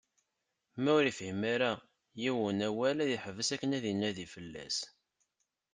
Ma ur yefhim ara yiwen awal ad yeḥbes akken ad inadi fell-as.